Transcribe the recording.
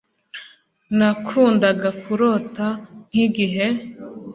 nakundaga kurota nkigihe